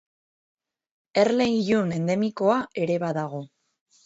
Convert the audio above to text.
Erle ilun endemikoa ere badago.